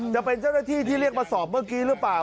จะเป็นเจ้าหน้าที่ที่เรียกมาสอบเมื่อกี้หรือเปล่า